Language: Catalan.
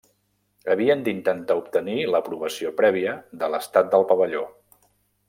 Havien d'intentar obtenir l'aprovació prèvia de l'estat del pavelló.